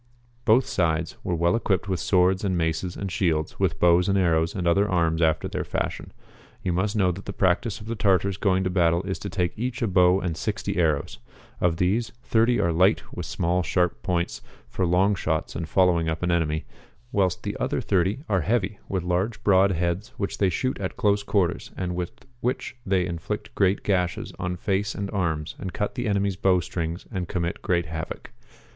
Both sides were well ecjuipped with swords and maces and shields, with bows and arrows and other arms after their fashion. You must know that the practice of the Tartars going to iiattle is to take each a bow and 60 arrows. Of tluse, ^o are Chap. II. BATTLES BETWEEN CAIDU AND THE KAAN. 39 1 light with small sharp points, for long shots and following up an enemy, whilst the other 30 are heavy, with large broad heads which they shoot at close quarters, and with which they inflict great gashes on face and arms, and cut the enemy's bowstrings, and commit great havoc.